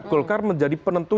golkar menjadi penentu